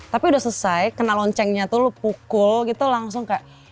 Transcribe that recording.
tapi udah selesai kena loncengnya tuh lu pukul gitu langsung kayak